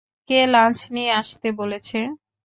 কে lunch নিয়ে আসতে বলেছে?